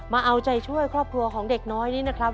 มาเอาใจช่วยครอบครัวของเด็กน้อยนี้นะครับ